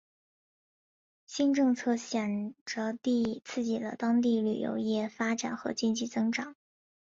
新政策显着地刺激了当地旅游业发展和经济增长。